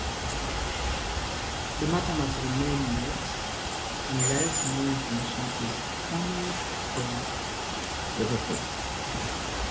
The matter must remain moot unless more information is forthcoming from the record.